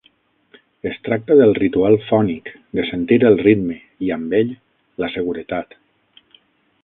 Es tracta del ritual fònic, de sentir el ritme, i amb ell, la seguretat.